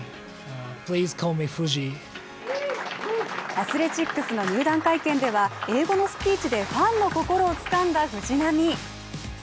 アスレチックスの入団会見では英語のスピーチでファンの心をつかんだ藤浪。